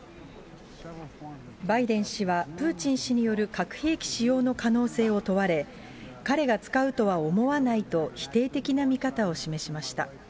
バイデン氏は、プーチン氏による核兵器使用の可能性を問われ、彼が使うとは思わないと、否定的な見方を示しました。